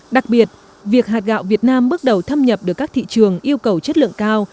đặc biệt việc hạt gạo việt nam bước đầu thâm nhập được các thị trường yêu cầu chất lượng cao